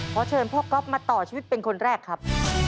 ขอเชิญพ่อก๊อฟมาต่อชีวิตเป็นคนแรกครับ